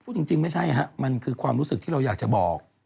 จริงไม่ใช่ฮะมันคือความรู้สึกที่เราอยากจะบอก